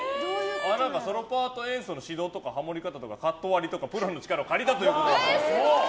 ソロパート演奏の指導とかハモリ方とかカット割りとかプロの力を借りたということで。